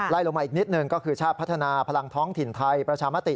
ลงมาอีกนิดหนึ่งก็คือชาติพัฒนาพลังท้องถิ่นไทยประชามติ